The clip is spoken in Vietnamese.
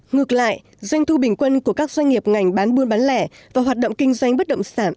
ngược lại doanh thu bình quân của các doanh nghiệp ngành bán buôn bán lẻ và hoạt động kinh doanh bất động sản